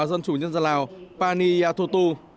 dân chủ nhân dân lào paniyatotu